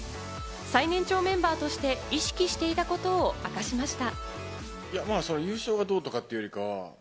最年長メンバーとして意識していたことを明かしました。